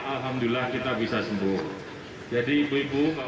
alhamdulillah kita bisa sembuh